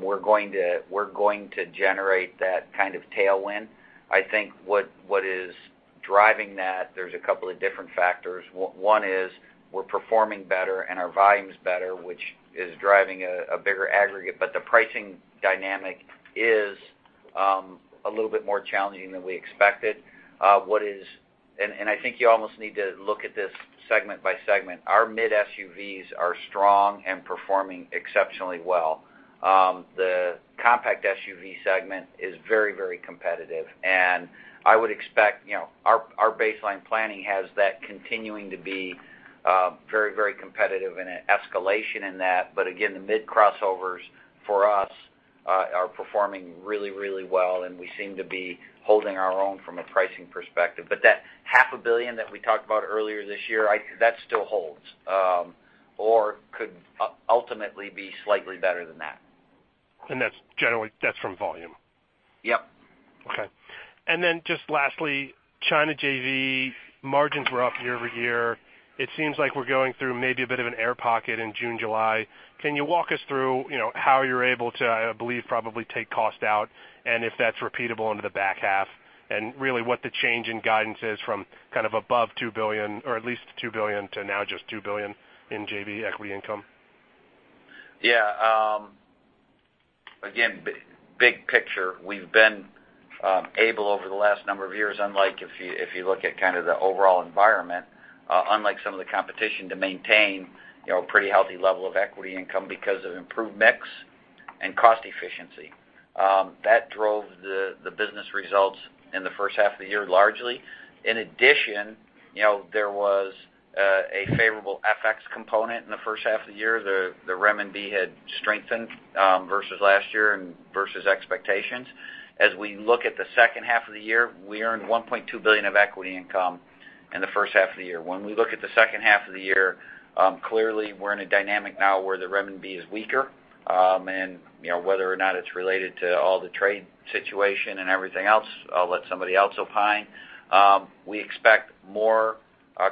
we're going to generate that kind of tailwind. I think what is driving that, there are a couple of different factors. One is we're performing better and our volume's better, which is driving a bigger aggregate, but the pricing dynamic is a little bit more challenging than we expected. I think you almost need to look at this segment by segment. Our mid SUVs are strong and performing exceptionally well. The compact SUV segment is very competitive, and I would expect our baseline planning has that continuing to be very competitive and an escalation in that. Again, the mid crossovers for us are performing really well, and we seem to be holding our own from a pricing perspective. That half a billion that we talked about earlier this year, that still holds or could ultimately be slightly better than that. That's from volume? Yep. Okay. Just lastly, China JV margins were up year-over-year. It seems like we're going through maybe a bit of an air pocket in June, July. Can you walk us through how you're able to, I believe, probably take cost out, and if that's repeatable into the back half, and really what the change in guidance is from above $2 billion, or at least $2 billion to now just $2 billion in JV equity income? Yeah. Again, big picture. We've been able over the last number of years, if you look at the overall environment, unlike some of the competition, to maintain a pretty healthy level of equity income because of improved mix and cost efficiency. That drove the business results in the first half of the year largely. In addition, there was a favorable FX component in the first half of the year. The renminbi had strengthened versus last year and versus expectations. As we look at the second half of the year, we earned $1.2 billion of equity income in the first half of the year. When we look at the second half of the year, clearly we're in a dynamic now where the renminbi is weaker, and whether or not it's related to all the trade situation and everything else, I'll let somebody else opine. We expect more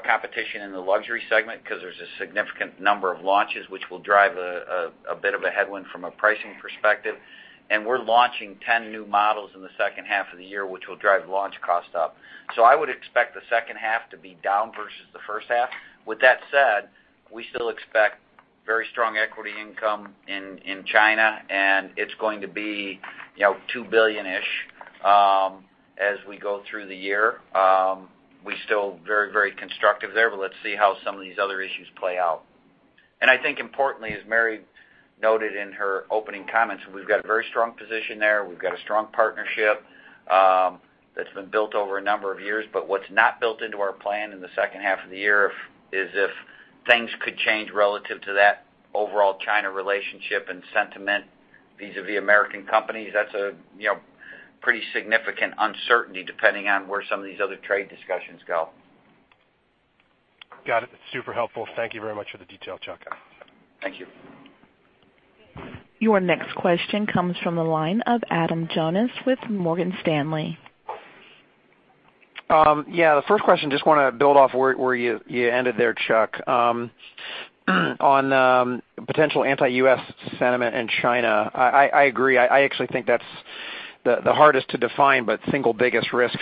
competition in the luxury segment because there's a significant number of launches, which will drive a bit of a headwind from a pricing perspective. We're launching 10 new models in the second half of the year, which will drive launch cost up. I would expect the second half to be down versus the first half. With that said, we still expect very strong equity income in China, and it's going to be $2 billion-ish as we go through the year. We're still very constructive there, let's see how some of these other issues play out. I think importantly, as Mary noted in her opening comments, we've got a very strong position there. We've got a strong partnership that's been built over a number of years. What's not built into our plan in the second half of the year is if things could change relative to that overall China relationship and sentiment vis-a-vis American companies. That's a pretty significant uncertainty depending on where some of these other trade discussions go. Got it. Super helpful. Thank you very much for the detail, Chuck. Thank you. Your next question comes from the line of Adam Jonas with Morgan Stanley. Yeah. The first question, just want to build off where you ended there, Chuck. On potential anti-U.S. sentiment in China. I agree. I actually think that's the hardest to define, but single biggest risk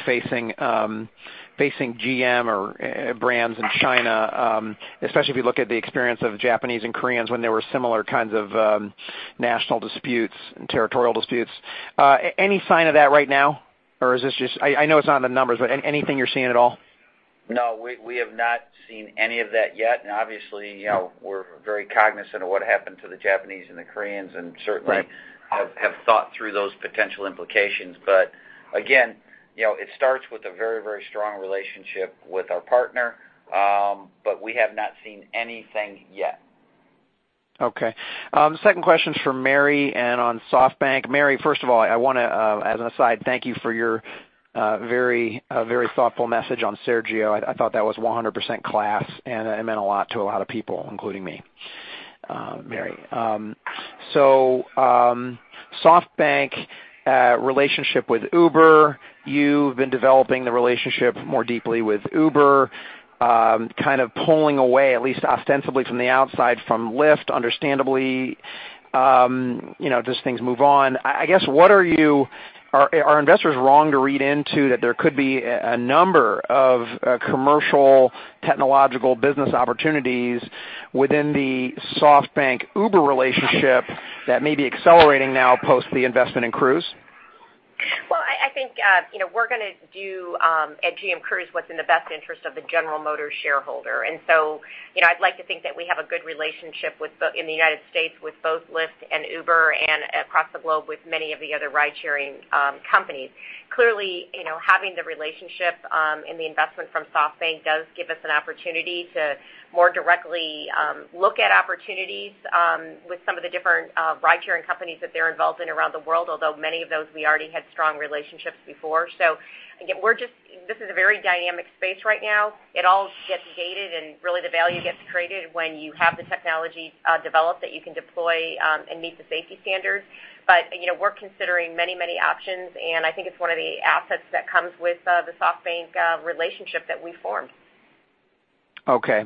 facing GM or brands in China, especially if you look at the experience of Japanese and Koreans when there were similar kinds of national disputes and territorial disputes. Any sign of that right now? I know it's not in the numbers, but anything you're seeing at all? No, we have not seen any of that yet. Obviously, we're very cognizant of what happened to the Japanese and the Koreans. Right have thought through those potential implications. Again, it starts with a very strong relationship with our partner. We have not seen anything yet. Okay. Second question's for Mary, and on SoftBank. Mary, first of all, I want to, as an aside, thank you for your very thoughtful message on Sergio. I thought that was 100% class, and it meant a lot to a lot of people, including me, Mary. SoftBank relationship with Uber. You've been developing the relationship more deeply with Uber, kind of pulling away, at least ostensibly from the outside, from Lyft, understandably, just things move on. Are investors wrong to read into that there could be a number of commercial technological business opportunities within the SoftBank-Uber relationship that may be accelerating now post the investment in Cruise? Well, I think we're going to do at GM Cruise what's in the best interest of the General Motors shareholder. I'd like to think that we have a good relationship in the U.S. with both Lyft and Uber, and across the globe with many of the other ride-sharing companies. Clearly, having the relationship and the investment from SoftBank does give us an opportunity to more directly look at opportunities with some of the different ride-sharing companies that they're involved in around the world, although many of those we already had strong relationships before. Again, this is a very dynamic space right now. It all gets gated, and really the value gets created when you have the technology developed that you can deploy and meet the safety standards. We're considering many options, and I think it's one of the assets that comes with the SoftBank relationship that we formed. Okay.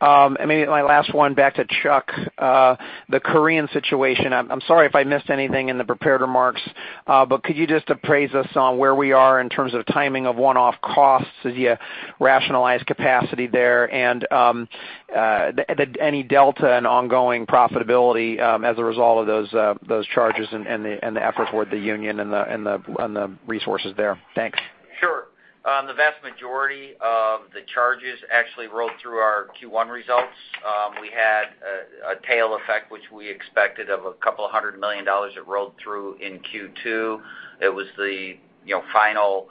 Maybe my last one back to Chuck, the Korean situation. I'm sorry if I missed anything in the prepared remarks, but could you just appraise us on where we are in terms of timing of one-off costs as you rationalize capacity there? Any delta and ongoing profitability as a result of those charges and the effort toward the union and the resources there? Thanks. Sure. The vast majority of the charges actually rolled through our Q1 results. We had a tail effect, which we expected of a couple of hundred million dollars that rolled through in Q2. It was the final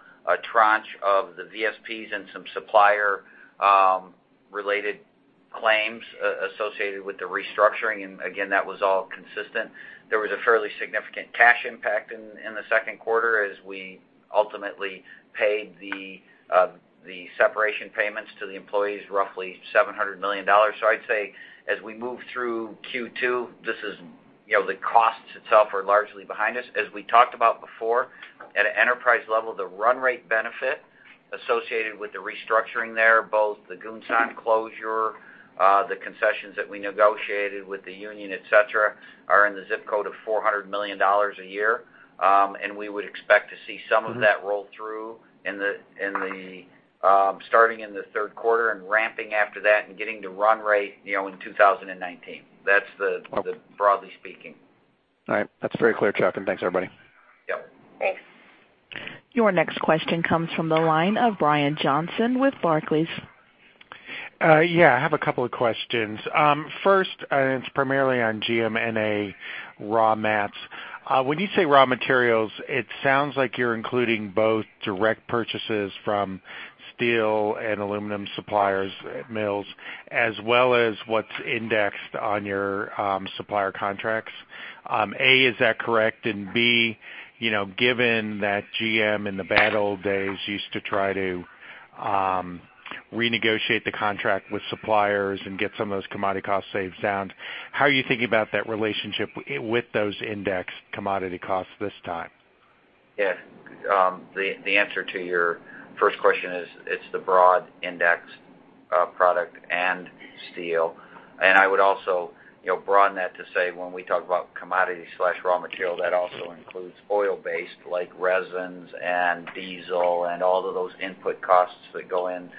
tranche of the VSPs and some supplier-related claims associated with the restructuring. Again, that was all consistent. There was a fairly significant cash impact in the second quarter as we ultimately paid the separation payments to the employees, roughly $700 million. I'd say as we move through Q2, the costs itself are largely behind us. As we talked about before, at an enterprise level, the run rate benefit associated with the restructuring there, both the Gunsan closure, the concessions that we negotiated with the union, et cetera, are in the zip code of $400 million a year. We would expect to see some of that roll through starting in the third quarter and ramping after that and getting to run rate in 2019. That's broadly speaking. All right. That's very clear, Chuck, thanks everybody. Yep. Thanks. Your next question comes from the line of Brian Johnson with Barclays. Yeah, I have a couple of questions. First, it's primarily on GMNA raw mats. When you say raw materials, it sounds like you're including both direct purchases from steel and aluminum suppliers at mills, as well as what's indexed on your supplier contracts. A, is that correct? B, given that GM in the bad old days used to try to renegotiate the contract with suppliers and get some of those commodity cost saves down, how are you thinking about that relationship with those indexed commodity costs this time? Yeah. The answer to your first question is it's the broad index product and steel. I would also broaden that to say when we talk about commodity/raw material, that also includes oil-based like resins and diesel and all of those input costs that go in.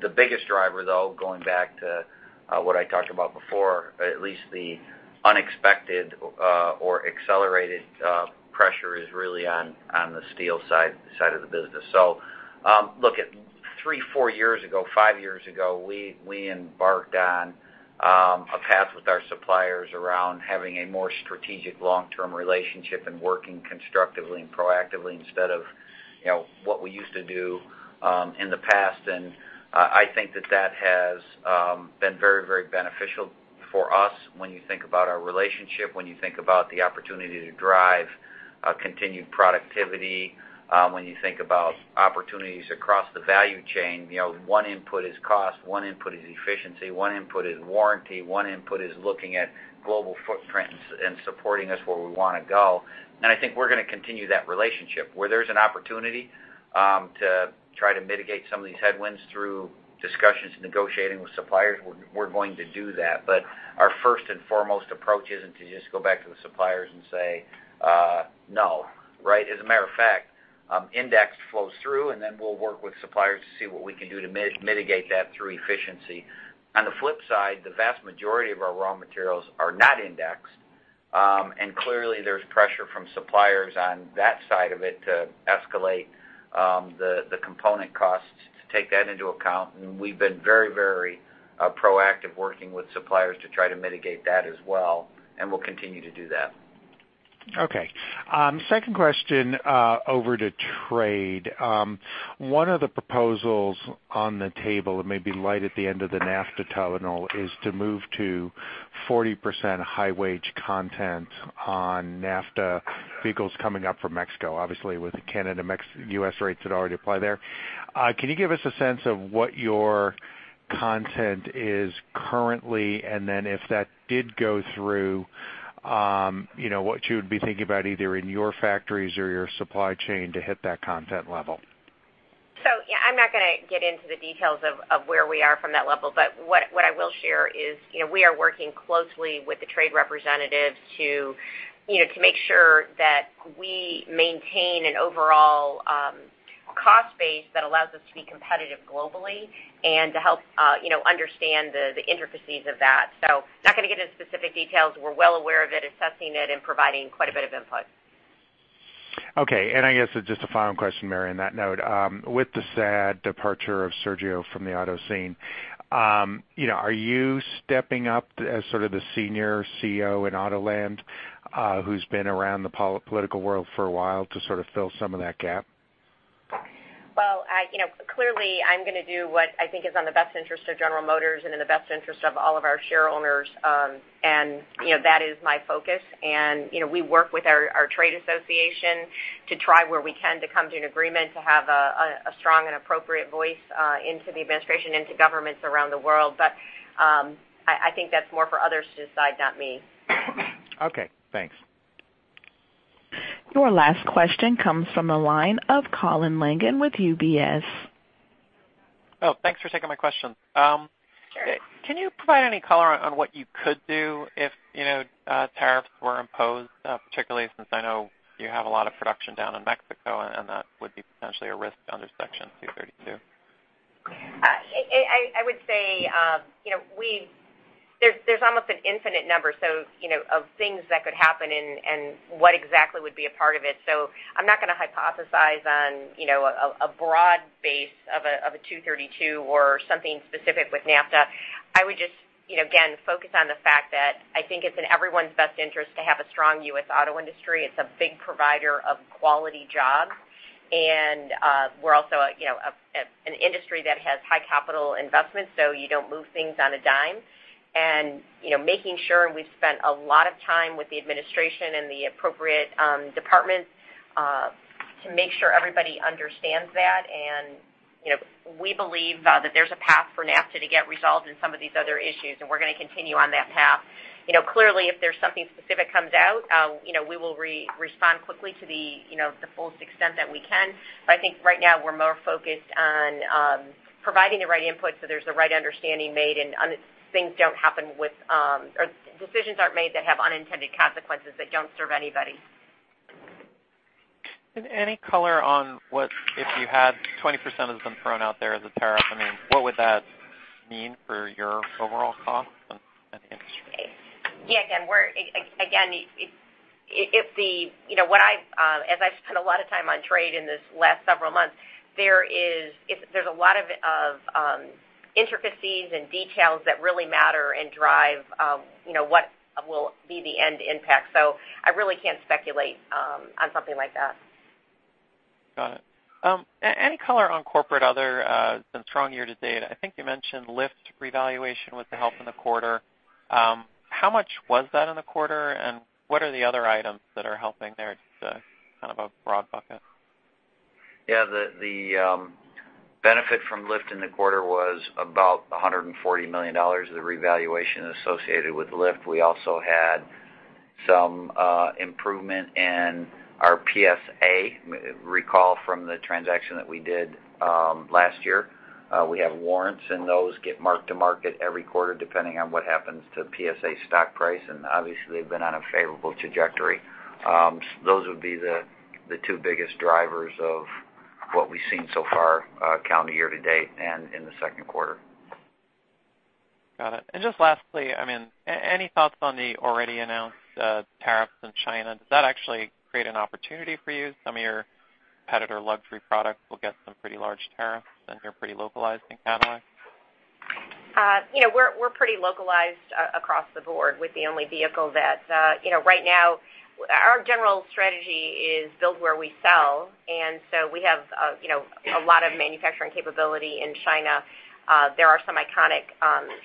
The biggest driver, though, going back to what I talked about before, at least the unexpected or accelerated pressure is really on the steel side of the business. Look, at three, four years ago, five years ago, we embarked on a path with our suppliers around having a more strategic long-term relationship and working constructively and proactively instead of what we used to do in the past. I think that that has been very beneficial for us when you think about our relationship, when you think about the opportunity to drive continued productivity, when you think about opportunities across the value chain. One input is cost, one input is efficiency, one input is warranty, one input is looking at global footprint and supporting us where we want to go. I think we're going to continue that relationship. Where there's an opportunity to try to mitigate some of these headwinds through discussions and negotiating with suppliers, we're going to do that. Our first and foremost approach isn't to just go back to the suppliers and say, "No," right? As a matter of fact, index flows through, we'll work with suppliers to see what we can do to mitigate that through efficiency. On the flip side, the vast majority of our raw materials are not indexed. Clearly there's pressure from suppliers on that side of it to escalate the component costs to take that into account. We've been very proactive working with suppliers to try to mitigate that as well, and we'll continue to do that. Okay. Second question, over to trade. One of the proposals on the table, it may be light at the end of the NAFTA tunnel, is to move to 40% high-wage content on NAFTA vehicles coming up from Mexico. Obviously, with Canada, U.S. rates that already apply there. Can you give us a sense of what your content is currently, and then if that did go through, what you would be thinking about either in your factories or your supply chain to hit that content level? Yeah, I'm not going to get into the details of where we are from that level. What I will share is we are working closely with the trade representatives to make sure that we maintain an overall cost base that allows us to be competitive globally and to help understand the intricacies of that. Not going to get into specific details. We're well aware of it, assessing it, and providing quite a bit of input. Okay. I guess just a final question, Mary, on that note. With the sad departure of Sergio from the auto scene, are you stepping up as sort of the senior CEO in auto land who's been around the political world for a while to sort of fill some of that gap? Clearly, I'm going to do what I think is in the best interest of General Motors and in the best interest of all of our shareholders, and that is my focus. We work with our trade association to try where we can to come to an agreement to have a strong and appropriate voice into the administration, into governments around the world. I think that's more for others to decide, not me. Okay, thanks. Your last question comes from the line of Colin Langan with UBS. Oh, thanks for taking my question. Sure. Can you provide any color on what you could do if tariffs were imposed, particularly since I know you have a lot of production down in Mexico and that would be potentially a risk under Section 232? I would say there's almost an infinite number of things that could happen and what exactly would be a part of it. I'm not going to hypothesize on a broad base of a 232 or something specific with NAFTA. I would just, again, focus on the fact that I think it's in everyone's best interest to have a strong U.S. auto industry. It's a big provider of quality jobs. We're also an industry that has high capital investment, so you don't move things on a dime. Making sure we've spent a lot of time with the administration and the appropriate departments to make sure everybody understands that. We believe that there's a path for NAFTA to get resolved in some of these other issues, and we're going to continue on that path. Clearly, if there's something specific comes out, we will respond quickly to the fullest extent that we can. I think right now we're more focused on providing the right input so there's a right understanding made and things don't happen or decisions aren't made that have unintended consequences that don't serve anybody. Any color on what if you had 20% has been thrown out there as a tariff, what would that mean for your overall cost? Yeah. Again, as I've spent a lot of time on trade in this last several months, there's a lot of intricacies and details that really matter and drive what will be the end impact. I really can't speculate on something like that. Got it. Any color on corporate other than strong year to date? I think you mentioned Lyft revaluation with the help in the quarter. How much was that in the quarter, and what are the other items that are helping there? Just kind of a broad bucket. Yeah. The benefit from Lyft in the quarter was about $140 million. The revaluation associated with Lyft, we also had some improvement in our PSA. Recall from the transaction that we did last year. We have warrants, those get marked to market every quarter depending on what happens to PSA stock price, obviously, they've been on a favorable trajectory. Those would be the two biggest drivers of what we've seen so far calendar year to date and in the second quarter. Got it. Just lastly, any thoughts on the already announced tariffs in China? Does that actually create an opportunity for you? Some of your competitor luxury products will get some pretty large tariffs, and you're pretty localized in Canada. We're pretty localized across the board with the only vehicle that. Right now, our general strategy is build where we sell. We have a lot of manufacturing capability in China. There are some iconic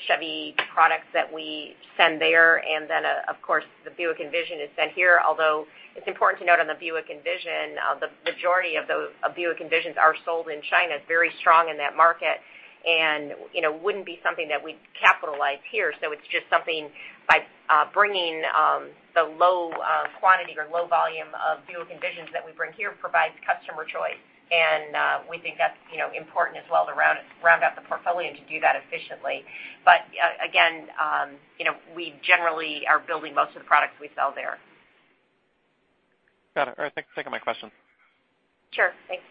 Chevy products that we send there. Then, of course, the Buick Envision is sent here. Although, it's important to note on the Buick Envision, the majority of Buick Envisions are sold in China. It's very strong in that market and wouldn't be something that we'd capitalize here. It's just something by bringing the low quantity or low volume of Buick Envisions that we bring here provides customer choice. We think that's important as well to round out the portfolio and to do that efficiently. Again, we generally are building most of the products we sell there. Got it. All right. Thanks for taking my question. Sure. Thanks.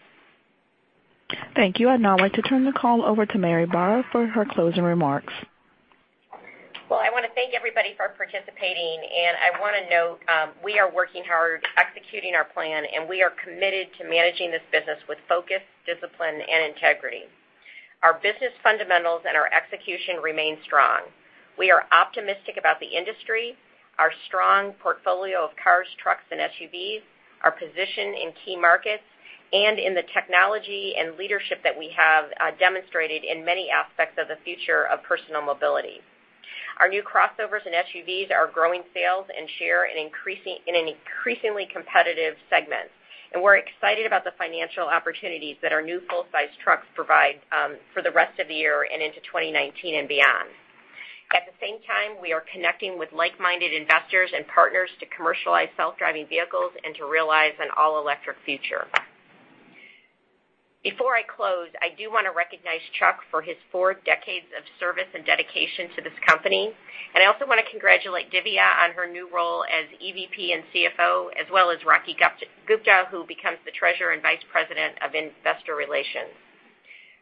Thank you. I'd now like to turn the call over to Mary Barra for her closing remarks. I want to thank everybody for participating. I want to note, we are working hard executing our plan. We are committed to managing this business with focus, discipline, and integrity. Our business fundamentals and our execution remain strong. We are optimistic about the industry, our strong portfolio of cars, trucks, and SUVs, our position in key markets, and in the technology and leadership that we have demonstrated in many aspects of the future of personal mobility. Our new crossovers and SUVs are growing sales and share in an increasingly competitive segment. We're excited about the financial opportunities that our new full-size trucks provide for the rest of the year and into 2019 and beyond. At the same time, we are connecting with like-minded investors and partners to commercialize self-driving vehicles and to realize an all-electric future. Before I close, I do want to recognize Chuck for his four decades of service and dedication to this company. I also want to congratulate Dhivya on her new role as EVP and CFO, as well as Rocky Gupta, who becomes the Treasurer and Vice President of Investor Relations.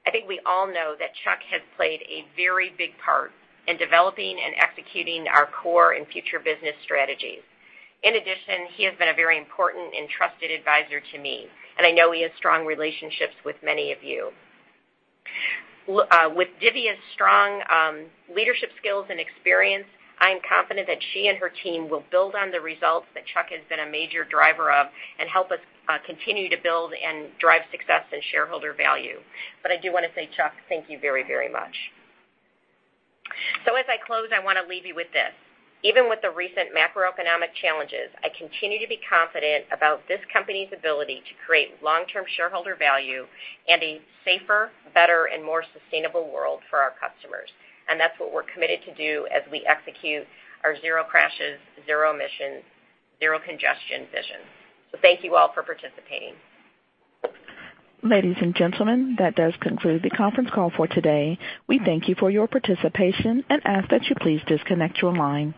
I think we all know that Chuck has played a very big part in developing and executing our core and future business strategies. In addition, he has been a very important and trusted advisor to me, and I know he has strong relationships with many of you. With Dhivya's strong leadership skills and experience, I am confident that she and her team will build on the results that Chuck has been a major driver of and help us continue to build and drive success and shareholder value. I do want to say, Chuck, thank you very, very much. As I close, I want to leave you with this. Even with the recent macroeconomic challenges, I continue to be confident about this company's ability to create long-term shareholder value and a safer, better, and more sustainable world for our customers. That's what we're committed to do as we execute our zero crashes, zero emissions, zero congestion vision. Thank you all for participating. Ladies and gentlemen, that does conclude the conference call for today. We thank you for your participation and ask that you please disconnect your line.